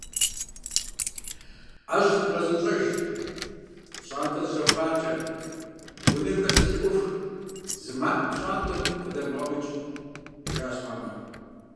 «ӏэщыр вгъэзэщӏэж, пщӏантӏэр зэщӏэфпхъанкӏэ, унэхэр зэлъыӏуфх, зы макъ пщӏантӏэм къыдэвмыгъэӏук», - жиӏащ мамэ.